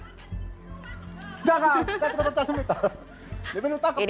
jangan jangan terbentak semita